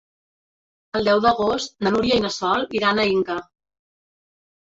El deu d'agost na Núria i na Sol iran a Inca.